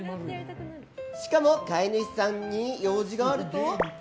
しかも飼い主さんに用事があると。